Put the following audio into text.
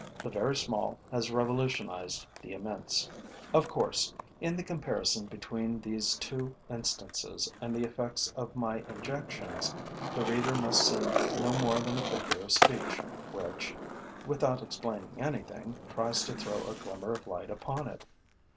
The very small has revolutionized the immense. Of course, in the comparison between these two instances and the effects of my injections, the reader must see no more than a figure of speech, which, without explaining anything, tries to throw a glimmer of light upon it.